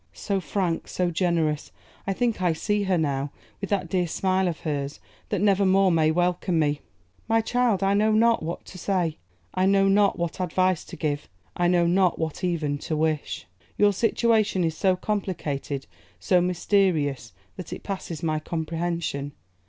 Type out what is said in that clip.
So frank, so generous! I think I see her now, with that dear smile of hers that never more may welcome me!' 'My child, I know not what to say; I know not what advice to give; I know not what even to wish. Your situation is so complicated, so mysterious, that it passes my comprehension.